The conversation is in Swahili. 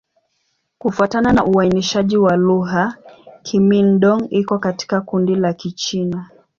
Kufuatana na uainishaji wa lugha, Kimin-Dong iko katika kundi la Kichina.